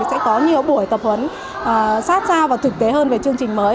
hãy có nhiều buổi tập huấn sát ra và thực tế hơn về chương trình mới